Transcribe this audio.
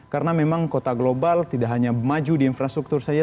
karena memang kota global tidak hanya maju di infrastruktur saya